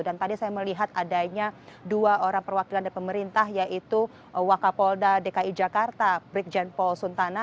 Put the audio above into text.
dan tadi saya melihat adanya dua orang perwakilan dari pemerintah yaitu waka polda dki jakarta brigjen paul suntana